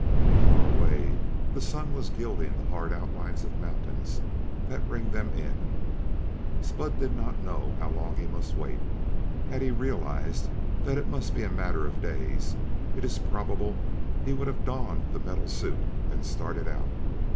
Far away the Sun was gilding the hard outlines of mountains that ringed them in. Spud did not know how long he must wait. Had he realized that it must be a matter of days it is probable he would have donned the metal suit and started out.